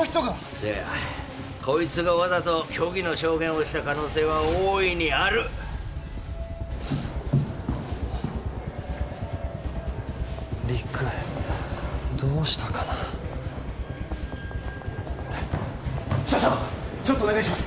せやこいつがわざと虚偽の証言をした可能性は大いにある陸どうしたかな社長ちょっとお願いします